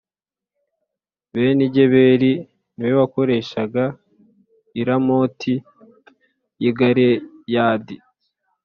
Benigeberi ni we wakoreshaga i Ramoti y’i Galeyadi